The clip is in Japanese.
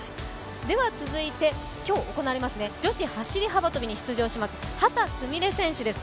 では続いて、今日行われます女子走幅跳に出場します秦澄美鈴選手です。